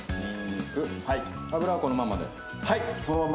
油はこのままで。